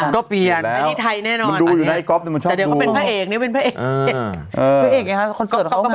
เดี๋ยวเปลี่ยนไทยแน่นอน